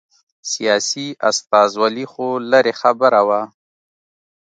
سیاسي استازولي خو لرې خبره وه